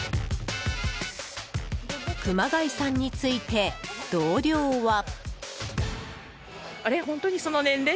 熊谷さんについて同僚は。